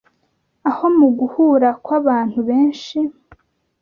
aho mu guhura kw'abantu benshi